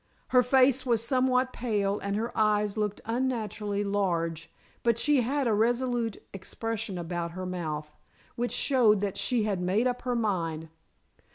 Her face was somewhat pale and her eyes looked unnaturally large, but she had a resolute expression about her mouth, which showed that she had made up her mind.